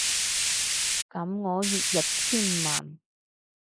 噉我月入千萬